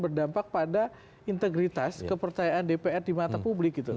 berdampak pada integritas kepercayaan dpr di mata publik gitu